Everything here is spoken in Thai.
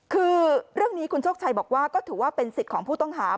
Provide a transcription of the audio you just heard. คือเรื่องนี้คุณโชคชัยบอกว่าก็ถือว่าเป็นสิทธิ์ของผู้ต้องหา